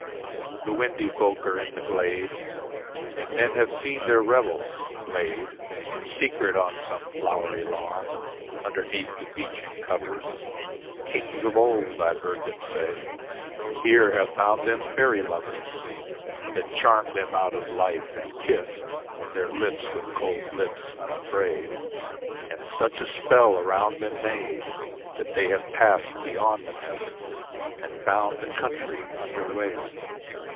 The windy folk are in the glade, And men have seen their revels, laid In secret on some flowery lawn Underneath the beechen covers, Kings of old, I've heard them say, Here have found them faerie lovers That charmed them out of life and kissed Their lips with cold lips unafraid, And such a spell around them made That they have passed beyond the mist And found the Country under wave.